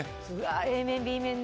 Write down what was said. Ａ面、Ｂ面ね。